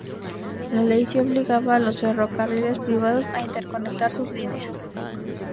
La ley sí obligaba a los ferrocarriles privados a interconectar sus líneas.